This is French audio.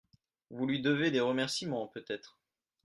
Vous lui devez des remerciements, peut-être.